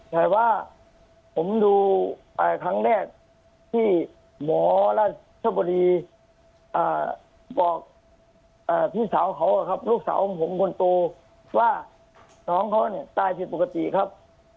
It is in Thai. แต่ว่าผมดูครั้งแรกที่หมอราชบุรีบอกพี่สาวเขาครับลูกสาวของผมคนโตว่าน้องเขาเนี่ยตายผิดปกติครับ